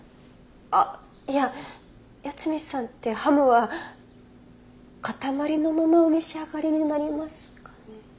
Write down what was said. あいや八海さんってハムは塊のままお召し上がりになりますかね？